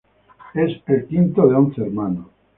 Es el quinto de once hermanos.